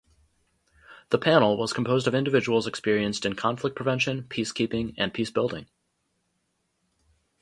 The panel was composed of individuals experienced in conflict prevention, peacekeeping and peacebuilding.